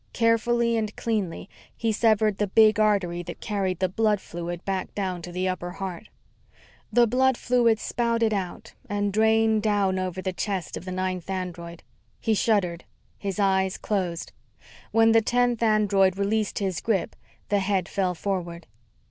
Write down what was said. Carefully and cleanly, he severed the big artery that carried the blood fluid back down to the upper heart. The blood fluid spouted out and drained down over the chest of the ninth android. He shuddered. His eyes closed. When the tenth android released his grip, the head fell forward.